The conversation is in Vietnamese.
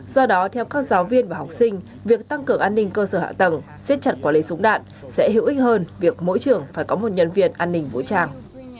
do đó theo các giáo viên và học sinh việc tăng cường an ninh cơ sở hạ tầng xếp chặt quản lý súng đạn sẽ hữu ích hơn việc mỗi trường phải có một nhân viên an ninh vũ trang